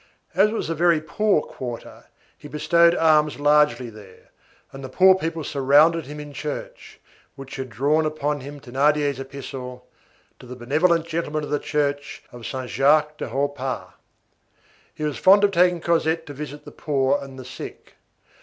As it was a very poor quarter, he bestowed alms largely there, and the poor people surrounded him in church, which had drawn down upon him Thénardier's epistle: "To the benevolent gentleman of the church of Saint Jacques du Haut Pas." He was fond of taking Cosette to visit the poor and the sick.